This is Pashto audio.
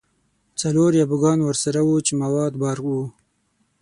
څلور یا بوګان ورسره وو چې مواد بار وو.